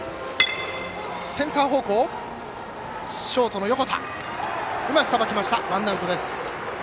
ショートの横田うまくさばきましたワンアウトです。